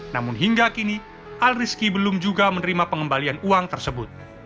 namun hingga kini al rizky belum juga menerima pengembalian uang tersebut